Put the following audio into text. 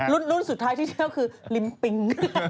รุ่นสุดท้ายที่เที่ยวคือลิมปิง